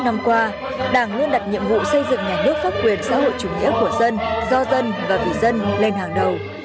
sáu mươi năm năm qua đảng luôn đặt nhiệm vụ xây dựng nhà nước pháp quyền xã hội chủ nghĩa của dân do dân và vì dân lên hàng đầu